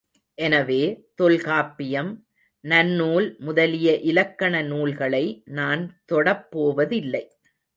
எனவே, தொல்காப்பியம், நன்னூல் முதலிய இலக்கண நூல்களை நான் தொடப்போவதில்லை.